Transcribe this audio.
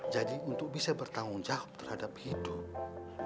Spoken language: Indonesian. jadi untuk bisa bertanggung jawab terhadap hidup